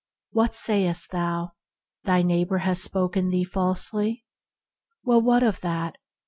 What sayest thou, thy neighbor has spoken thee falsely ? Well, what of that